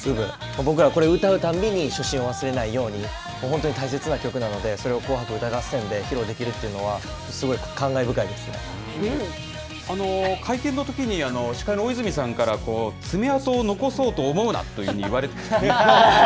僕らこれ歌うたんびに、初心を忘れないように、本当に大切な曲なので、それを紅白歌合戦で披露できるというのは、すごい感慨深い会見のときに、司会の大泉さんから、爪痕を残そうと思うなというふうに言われてましたね。